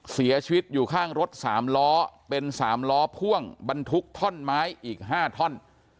เสียชีวิตอยู่ข้างรถ๓ล้อเป็น๓ล้อพ่วงบรรทุกท่อนไม้อีก๕ท่อน